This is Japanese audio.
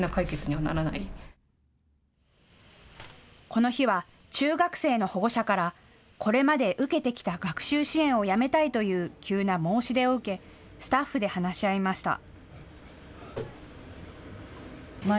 この日は中学生の保護者からこれまで受けてきた学習支援を辞めたいという急な申し出を受けスタッフで話し合いました。